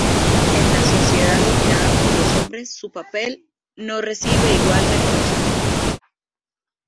En la sociedad dominada por los hombres, su papel no recibe igual reconocimiento.